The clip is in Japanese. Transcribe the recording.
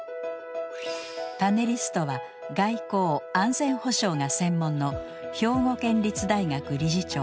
パネリストは外交・安全保障が専門の兵庫県立大学理事長